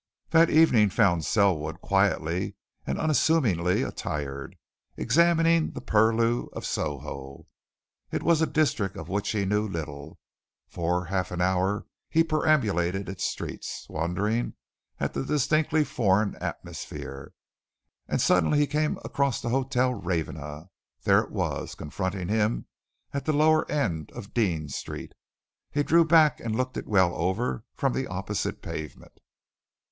That evening found Selwood, quietly and unassumingly attired, examining the purlieus of Soho. It was a district of which he knew little, and for half an hour he perambulated its streets, wondering at the distinctly foreign atmosphere. And suddenly he came across the Hotel Ravenna there it was, confronting him, at the lower end of Dean Street. He drew back and looked it well over from the opposite pavement.